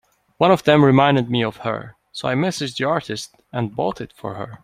One of them reminded me of her, so I messaged the artist and bought it for her.